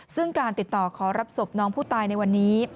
ซึ่งการติดต่อขอรับศพน้องผู้ตายในวันนี้